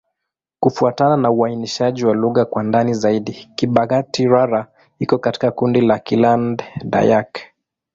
Kufuatana na uainishaji wa lugha kwa ndani zaidi, Kibakati'-Rara iko katika kundi la Kiland-Dayak.